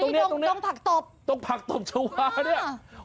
นี่ตรงภักษ์ตบตรงภักษ์ตบชาวนี้